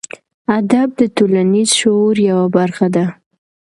ادب د ټولنیز شعور یوه برخه ده.